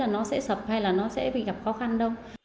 nó sẽ sập hay là nó sẽ bị gặp khó khăn đâu